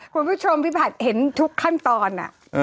คุณผู้ชมพี่ผัดเห็นทุกขั้นตอน